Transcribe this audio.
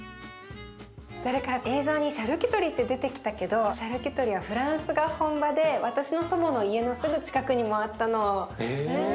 それから映像にシャルキュトリって出てきたけどシャルキュトリはフランスが本場で私の祖母の家のすぐ近くにもあったの。